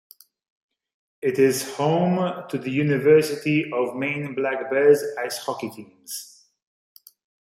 It is home to the University of Maine Black Bears ice hockey teams.